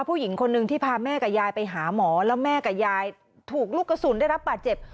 ผู้หญิงคนหนึ่งที่พาแม่กับยายไปหาหมอแล้วแม่กับยายถูกลูกกระสุนได้รับบาดเจ็บ